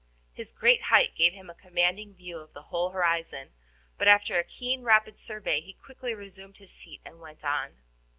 His great height gave him a commanding view of the whole horizon; but after a keen rapid survey, he quickly resumed his seat and went on.